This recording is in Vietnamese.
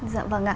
dạ vâng ạ